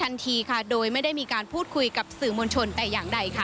ทันทีค่ะโดยไม่ได้มีการพูดคุยกับสื่อมวลชนแต่อย่างใดค่ะ